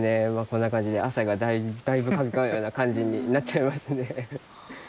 こんな感じで汗がだいぶかくような感じになっちゃいますね。